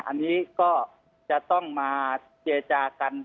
อันนี้ก็จะต้องมาเจจากัน